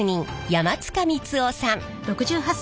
山塚光雄さん。